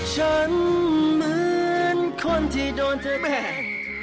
ฉันเหมือนคนที่โดนเธอแบก